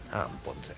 ya ampun saya